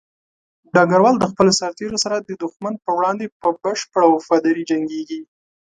ډګروال د خپلو سرتېرو سره د دښمن په وړاندې په بشپړه وفاداري جنګيږي.